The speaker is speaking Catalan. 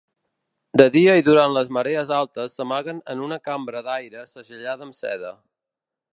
De dia i durant les marees altes s'amaguen en una cambra d'aire segellada amb seda.